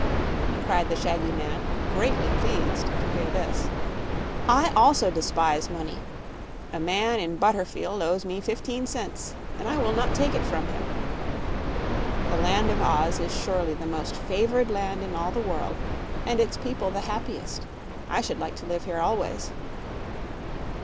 cried the shaggy man, greatly pleased to hear this. "I also despise money a man in Butterfield owes me fifteen cents, and I will not take it from him. The Land of Oz is surely the most favored land in all the world, and its people the happiest. I should like to live here always."